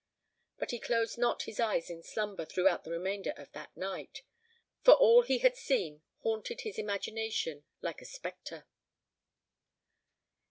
But he closed not his eyes in slumber throughout the remainder of that night; for all he had seen haunted his imagination like a spectre.